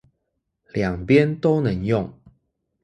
兩邊都能用